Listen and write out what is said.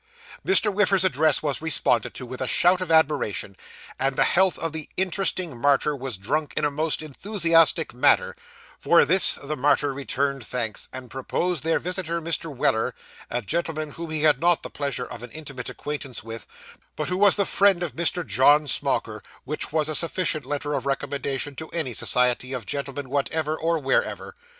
Mr. Whiffers's address was responded to, with a shout of admiration, and the health of the interesting martyr was drunk in a most enthusiastic manner; for this, the martyr returned thanks, and proposed their visitor, Mr. Weller a gentleman whom he had not the pleasure of an intimate acquaintance with, but who was the friend of Mr. John Smauker, which was a sufficient letter of recommendation to any society of gentlemen whatever, or wherever.